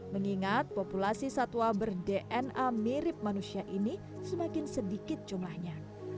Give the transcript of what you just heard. mengingat populasi satwa berdna mirip manusia ini semakin sedikit jumlahnya